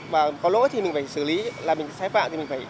mà có lỗi thì mình phải xử lý là mình sai phạm thì mình phải